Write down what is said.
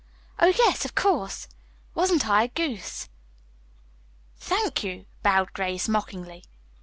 "Oh, yes, of course. Wasn't I a goose?" "Thank you," bowed Grace mockingly.